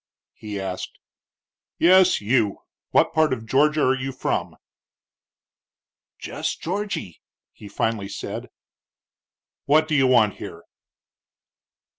he asked. "Yes, you. What part of Georgia are you from?" "Jess Georgy," he finally said. "What do you want here?"